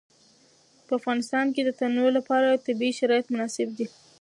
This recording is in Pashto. په افغانستان کې د تنوع لپاره طبیعي شرایط مناسب دي.